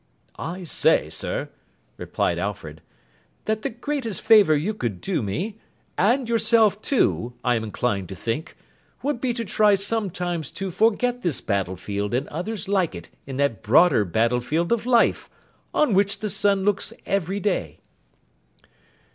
'I say, sir,' replied Alfred, 'that the greatest favour you could do me, and yourself too, I am inclined to think, would be to try sometimes to forget this battle field and others like it in that broader battle field of Life, on which the sun looks every day.